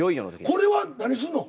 これは何すんの？